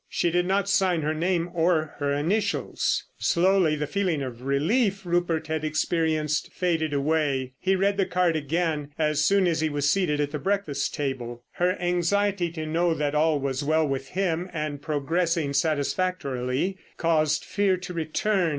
She did not sign her name or her initials. Slowly, the feeling of relief Rupert had experienced faded away. He read the card again as soon as he was seated at the breakfast table. Her anxiety to know that all was well with him and progressing satisfactorily, caused fear to return.